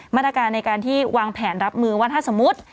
มาตรการในการที่วางแผนรับมือว่าถ้าสมมุติ